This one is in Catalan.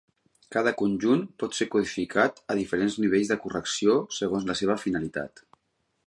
Cada conjunt pot ser codificat a diferents nivells de correcció segons la seva finalitat.